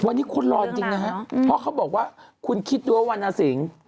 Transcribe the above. วันนี้คนรอจริงนะฮะเพราะเขาบอกว่าคุณคิดดูว่าวรรณสิง